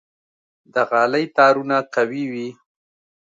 د غالۍ تارونه قوي وي.